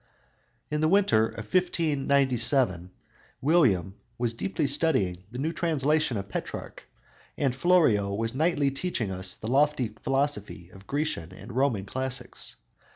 In the winter of 1597 William was deeply studying the new translation of Petrarch, and Florio was nightly teaching us the lofty philosophy of Grecian and Roman classics.